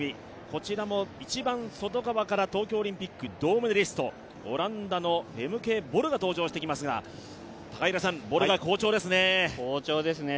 こちらも、一番外側から東京オリンピック銅メダリストオランダのフェムケ・ボルが登場してきましたがボルが好調ですね。